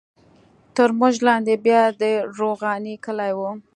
تر موږ لاندې بیا د روغاني کلی وو.